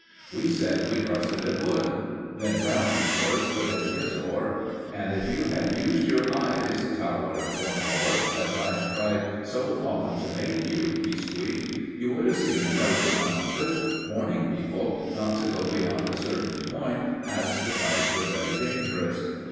We said we trusted it would. Then Brown, of course, put in his oar. "And if you had used your eyes, Towler and Cornwallis, as I have tried so often to make you," he squeaked, "you would have seen a notice on the cliff warning people not to go beyond a certain point, as the tides were very dangerous."